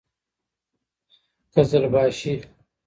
قـــزلــباشــــــــــي